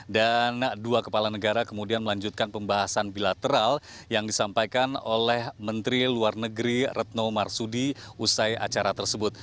dan dua kepala negara kemudian melanjutkan pembahasan bilateral yang disampaikan oleh menteri luar negeri retno marsudi usai acara tersebut